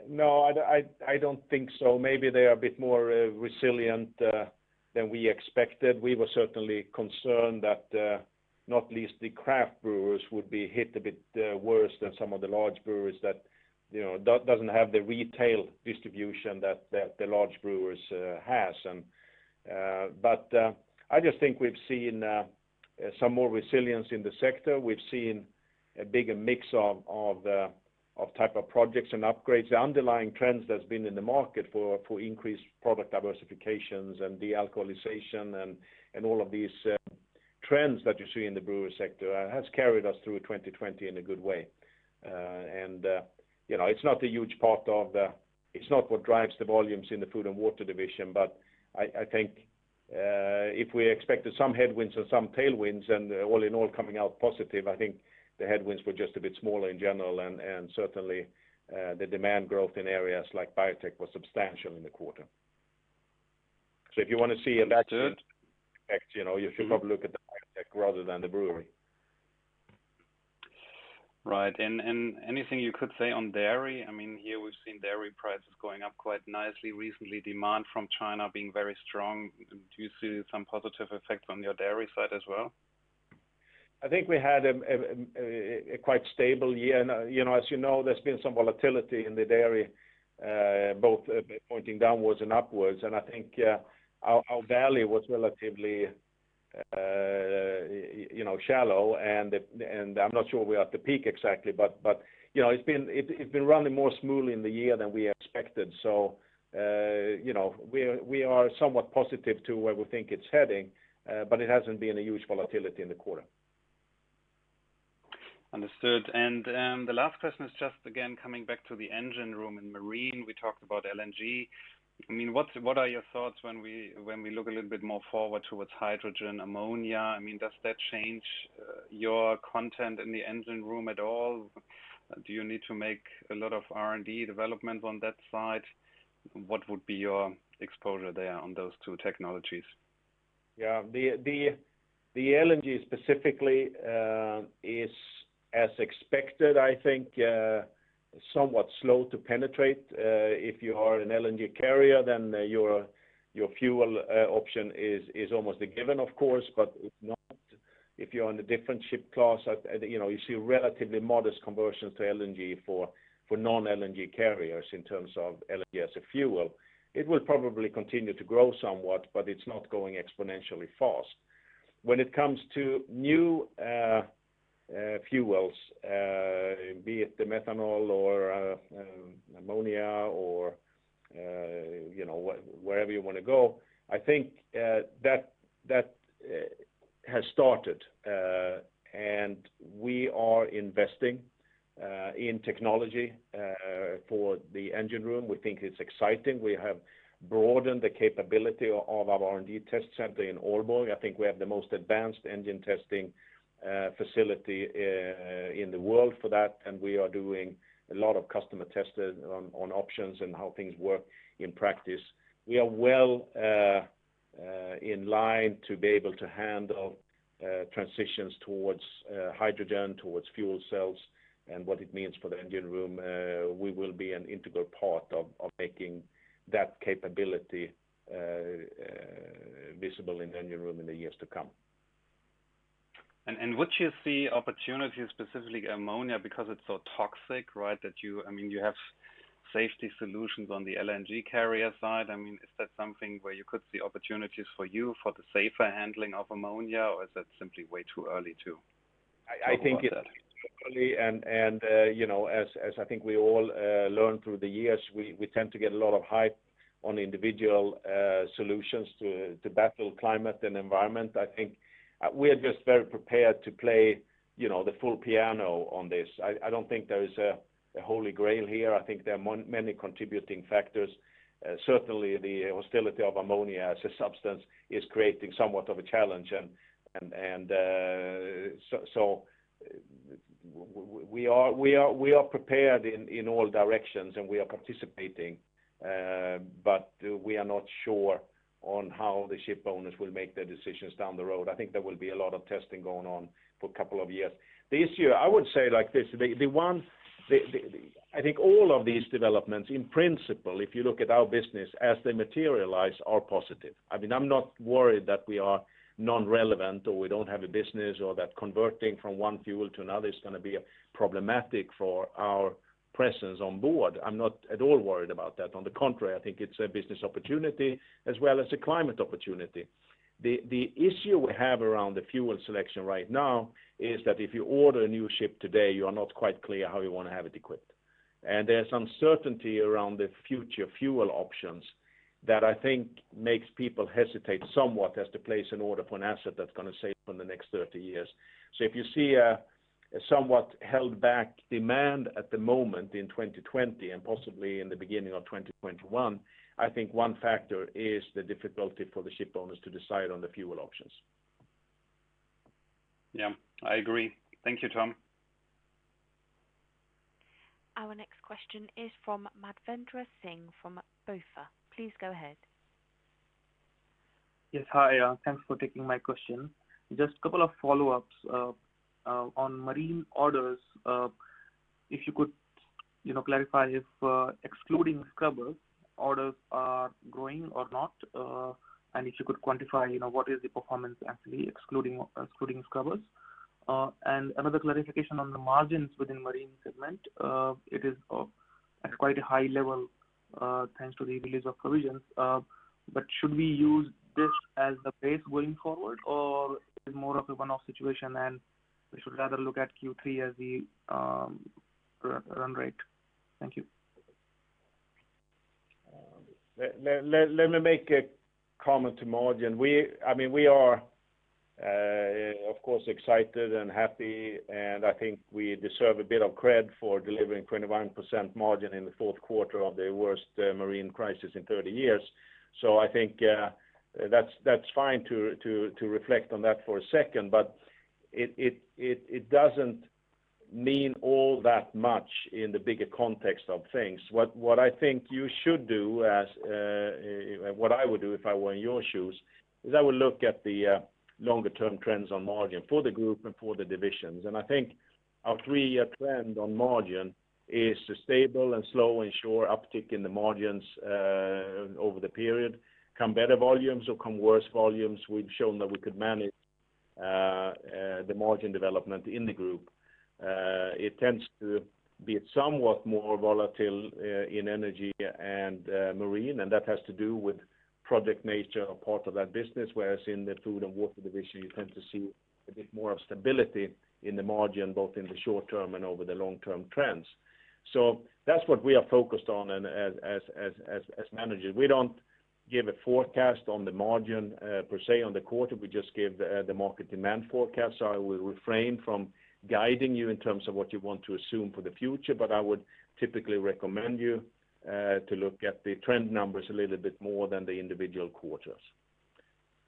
S1: No, I don't think so. Maybe they are a bit more resilient than we expected. We were certainly concerned that not least the craft brewers would be hit a bit worse than some of the large brewers that doesn't have the retail distribution that the large brewers has. I just think we've seen some more resilience in the sector. We've seen a bigger mix of type of projects and upgrades. The underlying trends that's been in the market for increased product diversifications and dealcoholization and all of these trends that you see in the brewery sector has carried us through 2020 in a good way. It's not what drives the volumes in the Food & Water Division, but I think if we expected some headwinds and some tailwinds and all in all coming out positive, I think the headwinds were just a bit smaller in general. Certainly, the demand growth in areas like biotech was substantial in the quarter. If you want to see a better effect, you should probably look at the biotech rather than the brewery.
S7: Right. Anything you could say on dairy? Here we've seen dairy prices going up quite nicely recently, demand from China being very strong. Do you see some positive effect on your dairy side as well?
S1: I think we had a quite stable year. As you know, there's been some volatility in the dairy, both pointing downwards and upwards. I think our valley was relatively shallow, and I'm not sure we are at the peak exactly, but it's been running more smoothly in the year than we expected. We are somewhat positive to where we think it's heading, but it hasn't been a huge volatility in the quarter.
S7: Understood. The last question is just, again, coming back to the engine room in marine. We talked about LNG. What are your thoughts when we look a little bit more forward towards hydrogen, ammonia? Does that change your content in the engine room at all? Do you need to make a lot of R&D development on that side? What would be your exposure there on those two technologies?
S1: Yeah. The LNG specifically is as expected, I think, somewhat slow to penetrate. If you are an LNG carrier, then your fuel option is almost a given, of course, if not, if you're on a different ship class, you see relatively modest conversions to LNG for non-LNG carriers in terms of LNG as a fuel. It will probably continue to grow somewhat, but it's not going exponentially fast. When it comes to new fuels, be it the methanol or ammonia or wherever you want to go, I think that has started, and we are investing in technology for the engine room. We think it's exciting. We have broadened the capability of our R&D test center in Aalborg. I think we have the most advanced engine testing facility in the world for that, and we are doing a lot of customer testing on options and how things work in practice. We are well in line to be able to handle transitions towards hydrogen, towards fuel cells, and what it means for the engine room. We will be an integral part of making that capability visible in the engine room in the years to come.
S7: Would you see opportunities specifically ammonia, because it's so toxic, right? You have safety solutions on the LNG carrier side. Is that something where you could see opportunities for you for the safer handling of ammonia, or is that simply way too early to talk about that?
S1: I think it is too early. As I think we all learned through the years, we tend to get a lot of hype on individual solutions to battle climate and environment. I think we are just very prepared to play the full piano on this. I don't think there is a holy grail here. I think there are many contributing factors. Certainly, the hostility of ammonia as a substance is creating somewhat of a challenge. We are prepared in all directions, and we are participating. We are not sure on how the ship owners will make their decisions down the road. I think there will be a lot of testing going on for a couple of years. I would say it like this, I think all of these developments, in principle, if you look at our business as they materialize, are positive. I'm not worried that we are non-relevant or we don't have a business or that converting from one fuel to another is going to be problematic for our presence on board. I'm not at all worried about that. On the contrary, I think it's a business opportunity as well as a climate opportunity. The issue we have around the fuel selection right now is that if you order a new ship today, you are not quite clear how you want to have it equipped. There's uncertainty around the future fuel options that I think makes people hesitate somewhat as to place an order for an asset that's going to sail for the next 30 years. If you see a somewhat held back demand at the moment in 2020 and possibly in the beginning of 2021, I think one factor is the difficulty for the ship owners to decide on the fuel options.
S7: Yeah, I agree. Thank you, Tom.
S3: Our next question is from Madhvendra Singh from BofA. Please go ahead.
S8: Yes. Hi. Thanks for taking my question. Just couple of follow-ups on marine orders. If you could clarify if excluding scrubbers, orders are growing or not. If you could quantify what is the performance actually excluding scrubbers. Another clarification on the margins within Marine Division. It is at quite a high level, thanks to the release of provisions. Should we use this as the base going forward or is it more of a one-off situation, and we should rather look at Q3 as the run rate? Thank you.
S1: Let me make a comment to margin. We are, of course, excited and happy, and I think we deserve a bit of cred for delivering 21% margin in the fourth quarter of the worst marine crisis in 30 years. I think that's fine to reflect on that for a second, but it doesn't mean all that much in the bigger context of things. What I think you should do, as what I would do if I were in your shoes, is I would look at the longer-term trends on margin for the group and for the divisions. I think our three-year trend on margin is a stable and slow and sure uptick in the margins over the period. Come better volumes or come worse volumes, we've shown that we could manage the margin development in the group. It tends to be somewhat more volatile in Energy and Marine, and that has to do with project nature part of that business, whereas in the Food & Water Division, you tend to see a bit more of stability in the margin, both in the short term and over the long-term trends. That's what we are focused on as managers. We don't give a forecast on the margin per se on the quarter. We just give the market demand forecast. I will refrain from guiding you in terms of what you want to assume for the future, but I would typically recommend you to look at the trend numbers a little bit more than the individual quarters.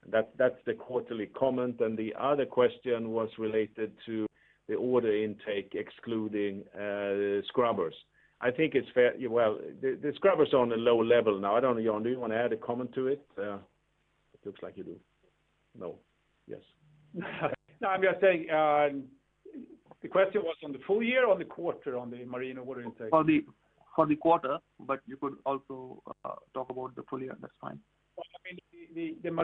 S1: That's the quarterly comment. The other question was related to the order intake excluding scrubbers. I think the scrubber's on a low level now. I don't know, Jan, do you want to add a comment to it? It looks like you do. No. Yes.
S2: No, I'm just saying, the question was on the full year or the quarter on the Marine order intake?
S8: For the quarter, but you could also talk about the full year, that's fine.
S2: Well,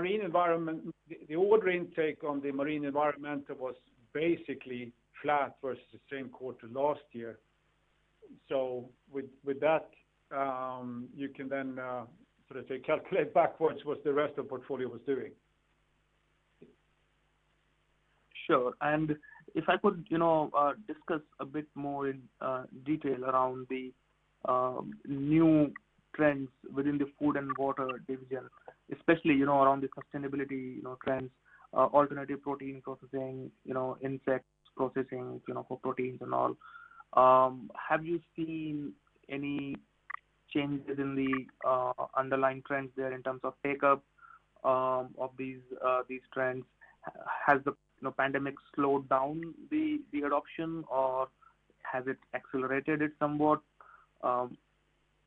S2: the order intake on the marine environment was basically flat versus the same quarter last year. With that, you can calculate backwards what the rest of portfolio was doing.
S8: Sure. If I could discuss a bit more in detail around the new trends within the Food & Water Division, especially around the sustainability trends, alternative protein processing, insects processing for proteins and all. Have you seen any changes in the underlying trends there in terms of take-up of these trends? Has the pandemic slowed down the adoption, or has it accelerated it somewhat?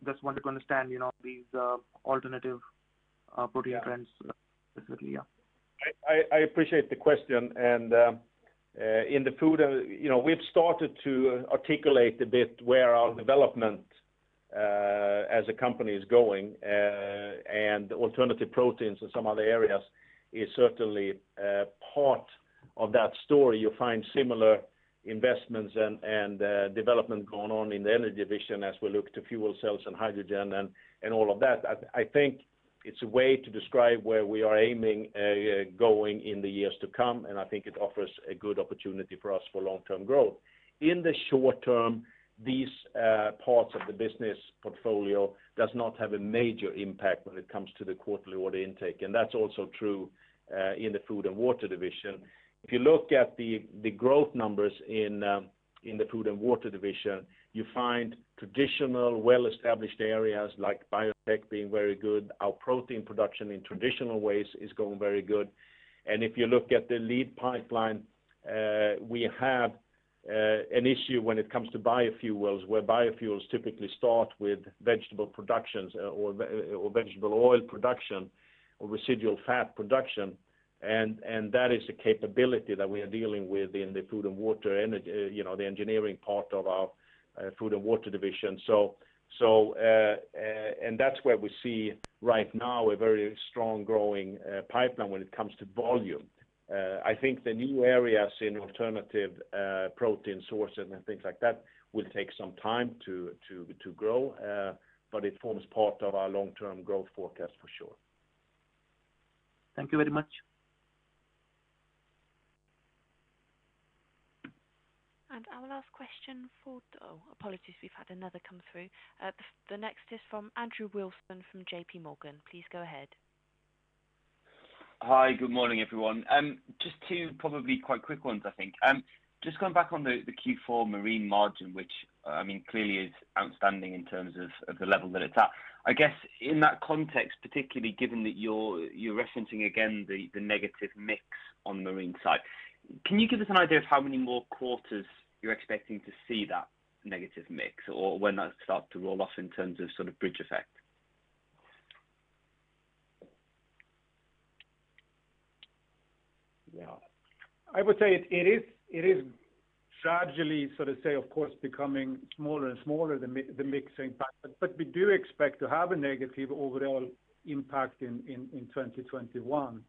S8: Just wanted to understand these alternative protein trends specifically, yeah.
S1: I appreciate the question. In the food, we've started to articulate a bit where our development, as a company, is going, and alternative proteins in some other areas is certainly part of that story. You'll find similar investments and development going on in the Energy Division as we look to fuel cells and hydrogen and all of that. I think it's a way to describe where we are aiming going in the years to come, I think it offers a good opportunity for us for long-term growth. In the short term, these parts of the business portfolio does not have a major impact when it comes to the quarterly order intake, That's also true in the Food & Water Division. If you look at the growth numbers in the Food & Water Division, you find traditional, well-established areas like biotech being very good. Our protein production in traditional ways is going very good. If you look at the lead pipeline, we have an issue when it comes to biofuels, where biofuels typically start with vegetable productions or vegetable oil production, or residual fat production. That is a capability that we are dealing with in the Food & Water, the engineering part of our Food & Water Division. That's where we see right now a very strong growing pipeline when it comes to volume. I think the new areas in alternative protein sources and things like that will take some time to grow, but it forms part of our long-term growth forecast for sure.
S8: Thank you very much.
S3: Apologies, we've had another come through. The next is from Andrew Wilson from JPMorgan. Please go ahead.
S9: Hi. Good morning, everyone. Just two probably quite quick ones, I think. Just going back on the Q4 Marine Division margin, which clearly is outstanding in terms of the level that it's at. I guess in that context, particularly given that you're referencing again the negative mix on the Marine Division side, can you give us an idea of how many more quarters you're expecting to see that negative mix, or when that will start to roll off in terms of bridge effect?
S2: Yeah. I would say it is gradually, so to say, of course, becoming smaller and smaller, the mix impact, but we do expect to have a negative overall impact in 2021.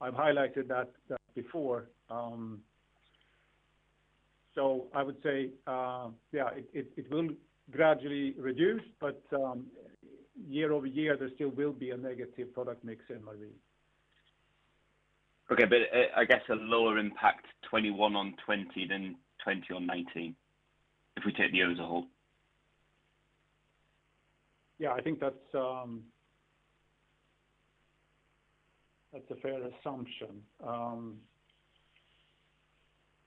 S2: I've highlighted that before. I would say, yeah, it will gradually reduce, but year over year, there still will be a negative product mix in Marine.
S9: Okay. I guess a lower impact 2021 on 2020 than 2020 on 2019, if we take the year as a whole?
S1: Yeah, I think that's a fair assumption.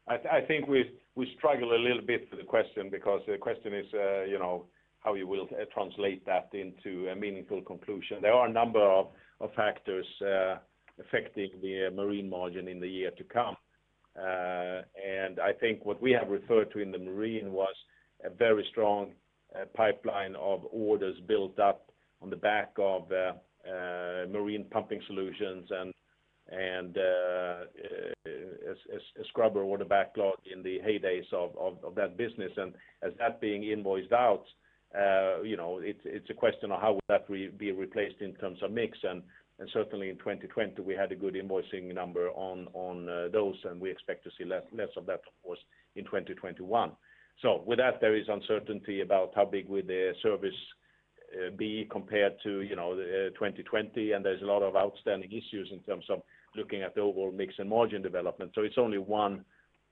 S1: I think we struggle a little bit with the question because the question is how you will translate that into a meaningful conclusion. There are a number of factors affecting the marine margin in the year to come. I think what we have referred to in the Marine was a very strong pipeline of orders built up on the back of marine pumping solutions and a scrubber order backlog in the heydays of that business. As that being invoiced out, it's a question of how would that be replaced in terms of mix, and certainly in 2020, we had a good invoicing number on those, and we expect to see less of that, of course, in 2021. With that, there is uncertainty about how big would the service be compared to 2020, and there's a lot of outstanding issues in terms of looking at the overall mix and margin development. It's only one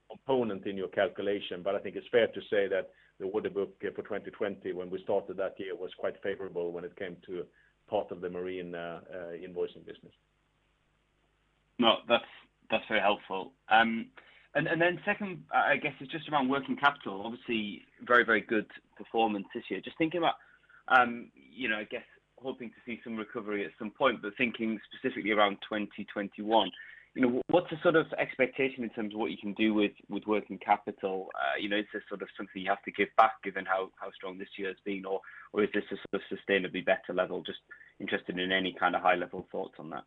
S1: component in your calculation, but I think it's fair to say that the order book for 2020, when we started that year, was quite favorable when it came to part of the marine invoicing business.
S9: No, that's very helpful. Second, I guess it's just around working capital. Obviously, very good performance this year. Just thinking about I guess hoping to see some recovery at some point, but thinking specifically around 2021. What's the expectation in terms of what you can do with working capital? Is this something you have to give back given how strong this year has been, or is this a sustainably better level? Just interested in any kind of high-level thoughts on that.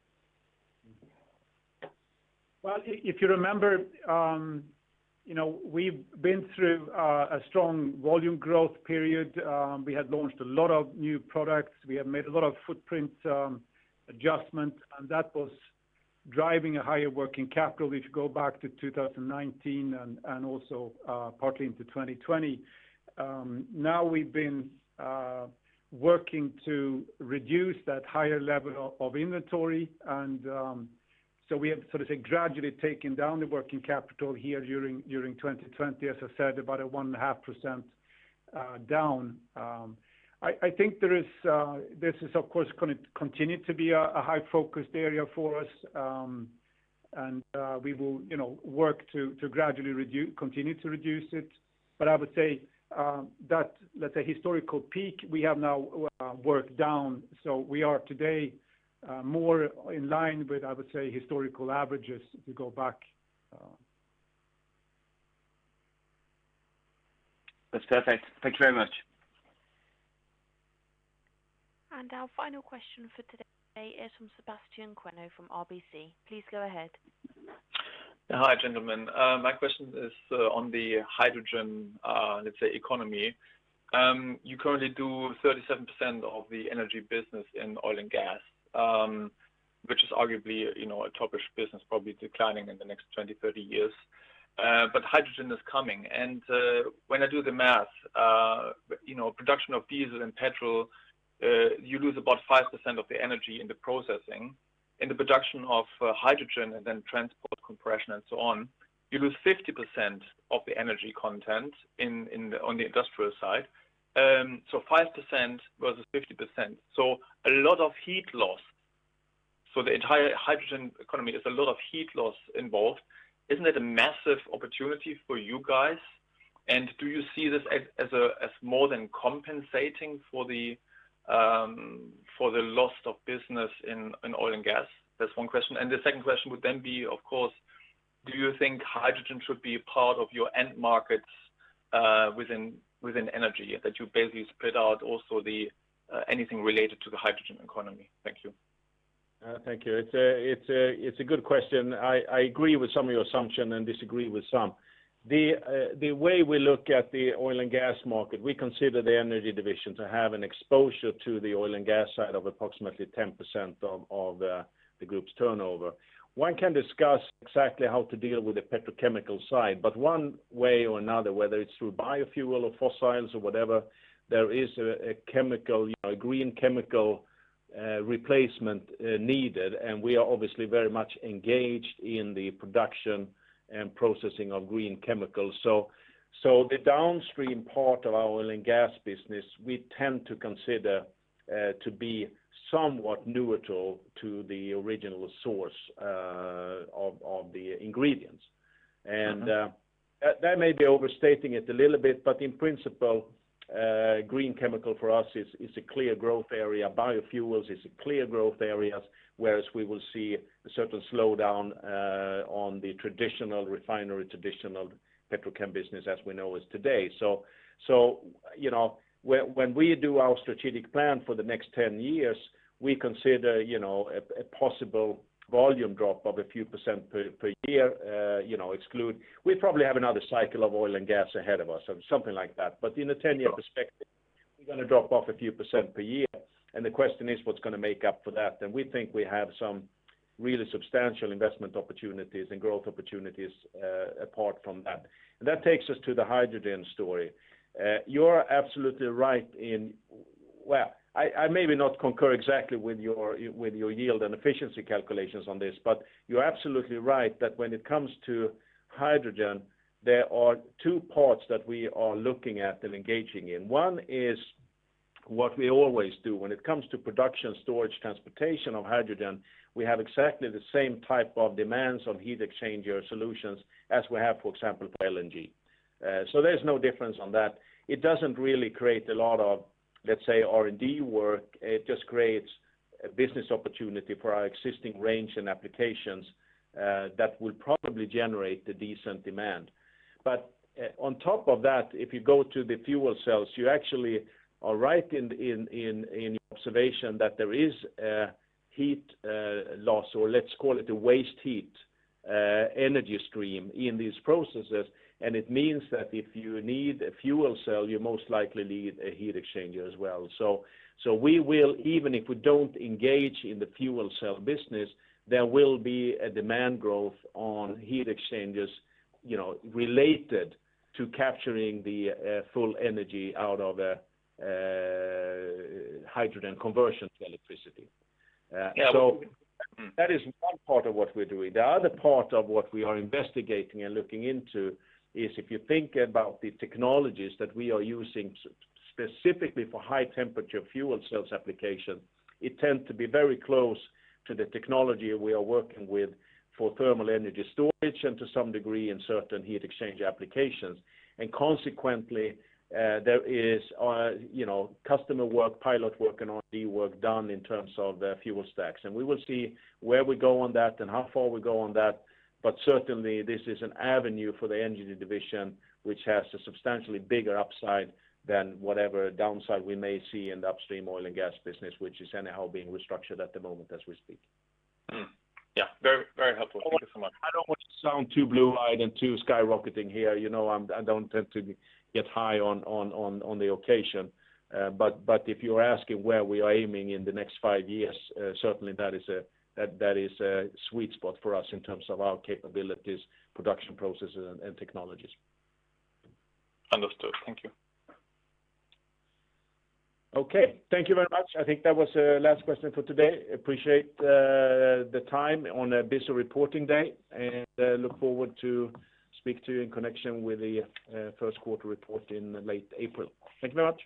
S2: Well, if you remember, we've been through a strong volume growth period. We had launched a lot of new products. We have made a lot of footprint adjustment, and that was driving a higher working capital if you go back to 2019 and also partly into 2020. Now we've been working to reduce that higher level of inventory. We have gradually taken down the working capital here during 2020, as I said, about a 1.5% down. I think this is, of course, going to continue to be a high-focused area for us. We will work to gradually continue to reduce it. I would say that, let's say historical peak, we have now worked down. We are today more in line with, I would say, historical averages if we go back.
S9: That's perfect. Thank you very much.
S3: Our final question for today is from Sebastian Kuenne from RBC Capital Markets. Please go ahead.
S10: Hi, gentlemen. My question is on the hydrogen economy. You currently do 37% of the energy business in oil and gas, which is arguably a toppish business, probably declining in the next 20, 30 years. Hydrogen is coming, and when I do the math, production of diesel and petrol, you lose about 5% of the energy in the processing. In the production of hydrogen and then transport compression and so on, you lose 50% of the energy content on the industrial side. 5% versus 50%. A lot of heat loss. The entire hydrogen economy, there's a lot of heat loss involved. Isn't it a massive opportunity for you guys? Do you see this as more than compensating for the loss of business in oil and gas? That's one question. The second question would then be, of course, do you think hydrogen should be a part of your end markets within Energy, that you basically spread out also anything related to the hydrogen economy? Thank you.
S1: Thank you. It's a good question. I agree with some of your assumption and disagree with some. The way we look at the oil and gas market, we consider the Energy Division to have an exposure to the oil and gas side of approximately 10% of the group's turnover. One can discuss exactly how to deal with the petrochemical side, but one way or another, whether it's through biofuel or fossils or whatever, there is a green chemical replacement needed, and we are obviously very much engaged in the production and processing of green chemicals. The downstream part of our oil and gas business, we tend to consider to be somewhat neutral to the original source of the ingredients. That may be overstating it a little bit, but in principle, green chemical for us is a clear growth area. Biofuels is a clear growth area, whereas we will see a certain slowdown on the traditional refinery, traditional petrochem business as we know is today. When we do our strategic plan for the next 10 years, we consider a possible volume drop of a few percent per year. We probably have another cycle of oil and gas ahead of us or something like that. In a 10-year perspective, we're going to drop off a few percent per year. The question is: What's going to make up for that? We think we have some really substantial investment opportunities and growth opportunities apart from that. That takes us to the hydrogen story. You're absolutely right. Well, I maybe not concur exactly with your yield and efficiency calculations on this, but you're absolutely right that when it comes to hydrogen, there are two parts that we are looking at and engaging in. One is what we always do. When it comes to production, storage, transportation of hydrogen, we have exactly the same type of demands of heat exchanger solutions as we have, for example, for LNG. There's no difference on that. It doesn't really create a lot of, let's say, R&D work. It just creates a business opportunity for our existing range and applications that will probably generate a decent demand. On top of that, if you go to the fuel cells, you actually are right in your observation that there is a heat loss, or let's call it a waste heat energy stream in these processes. It means that if you need a fuel cell, you most likely need a heat exchanger as well. We will, even if we don't engage in the fuel cell business, there will be a demand growth on heat exchangers related to capturing the full energy out of hydrogen conversion to electricity. Yeah. That is one part of what we're doing. The other part of what we are investigating and looking into is if you think about the technologies that we are using specifically for high-temperature fuel cells application, it tends to be very close to the technology we are working with for thermal energy storage and to some degree in certain heat exchange applications. Consequently, there is customer work, pilot work, R&D work done in terms of the fuel stacks. We will see where we go on that and how far we go on that. Certainly, this is an avenue for the Energy Division, which has a substantially bigger upside than whatever downside we may see in the upstream oil and gas business, which is anyhow being restructured at the moment as we speak.
S10: Yeah, very helpful. Thank you so much.
S1: I don't want to sound too blue-eyed and too skyrocketing here. I don't tend to get high on the occasion. If you're asking where we are aiming in the next five years, certainly that is a sweet spot for us in terms of our capabilities, production processes, and technologies.
S10: Understood. Thank you.
S1: Okay. Thank you very much. I think that was the last question for today. Appreciate the time on a busy reporting day, and look forward to speak to you in connection with the first quarter report in late April. Thank you very much.